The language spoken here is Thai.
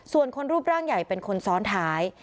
ส่วนคนรูปร่างใหญ่เป็นคนซ้อนท้าย